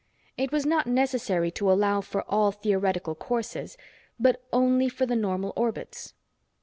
It was not necessary to allow for all theoretical courses, but only for the normal orbits.